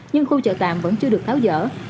nhưng khu chợ tạm vẫn chưa được tháo dỡ